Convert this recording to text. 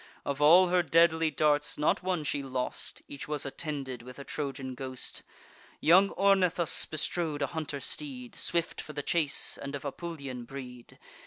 Of all her deadly darts, not one she lost; Each was attended with a Trojan ghost. Young Ornithus bestrode a hunter steed, Swift for the chase, and of Apulian breed.